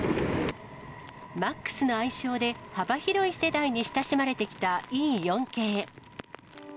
Ｍａｘの愛称で、幅広い世代に親しまれてきたＥ４系。